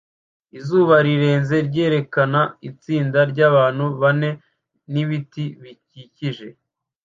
Izuba rirenze ryerekana itsinda ryabantu bane nibiti bikikije